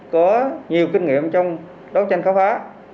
có nhiều kinh nghiệm trong đấu tranh khóa phá